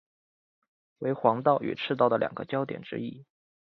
为黄道与赤道的两个交点之一。